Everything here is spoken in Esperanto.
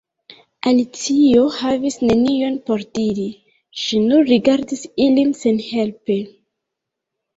Alicio havis nenion por diri; ŝi nur rigardis ilin senhelpe.